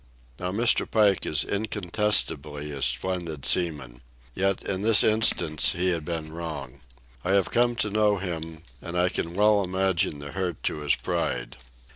Now Mr. Pike is incontestably a splendid seaman. Yet in this instance he had been wrong. I have come to know him, and I can well imagine the hurt to his pride.